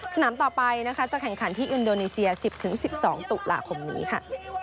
สนามต่อไปนะคะจะแข่งขันที่อินโดนีเซีย๑๐๑๒ตุลาคมนี้ค่ะ